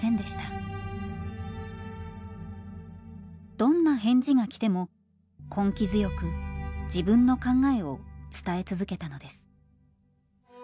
どんな返事が来ても根気強く自分の考えを伝え続けたのです。